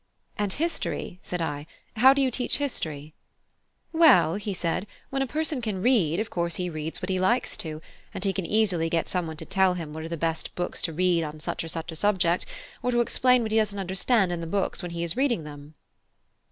"And history?" said I; "how do you teach history?" "Well," said he, "when a person can read, of course he reads what he likes to; and he can easily get someone to tell him what are the best books to read on such or such a subject, or to explain what he doesn't understand in the books when he is reading them."